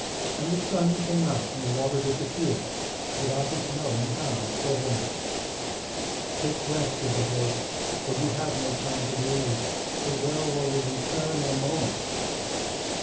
And the sun came out and the water disappeared, without his knowing how or when. 'Take breath,' said the horse, 'for you have no time to lose. The Welwa will return in a moment.